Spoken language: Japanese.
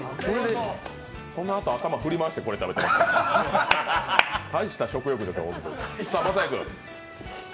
そのあと頭振り回してこれ食べてますからね、大した食欲ですよ。